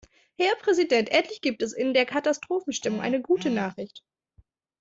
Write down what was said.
Herr Präsident, endlich gibt es in der Katastrophenstimmung eine gute Nachricht.